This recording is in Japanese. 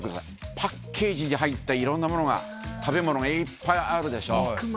パッケージに入ったいろんなものが、食べ物がいっぱいあるでしょ。